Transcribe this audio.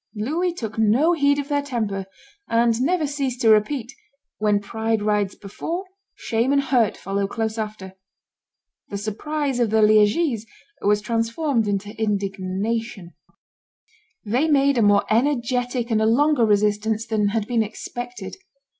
Louis took no heed of their temper, and never ceased to repeat, "When pride rides before, shame and hurt follow close after." The surprise of the Liegese was transformed into indignation. [Illustration: Louis XI. and Charles the Rash at Peronne 209] They made a more energetic and a longer resistance than had been expected.